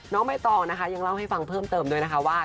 น้องไมส์ตองนะคะยังเล่าให้ฟังเพิ่มเติมนะครับว่า